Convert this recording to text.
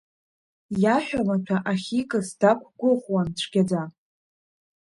Иаҳәа маҭәа ахьикыз дақәгәыӷуан цәгьаӡа.